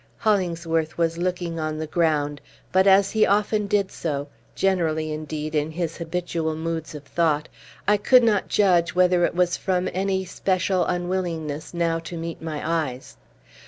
Hollingsworth was looking on the ground. But, as he often did so, generally, indeed, in his habitual moods of thought, I could not judge whether it was from any special unwillingness now to meet my eyes.